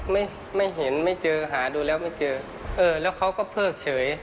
ไม่ไม่เห็นไม่เจอหาดูแล้วไม่เจอเออแล้วเขาก็เพิกเฉย